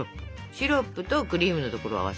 シロップとクリームのところを合わせるのよね。